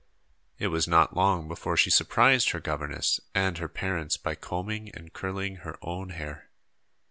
It was not long before she surprised her governess and her parents by combing and curling her own hair.